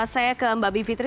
saya ke mbak bivitri